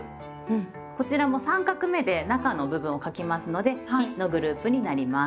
こちらも３画目で中の部分を書きますので「日」のグループになります。